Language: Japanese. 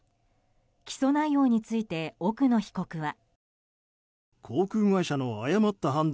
起訴内容について奥野被告は。